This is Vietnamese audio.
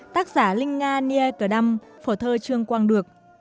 tác giả linh nga nghia cờ đâm phổ thơ trương quang được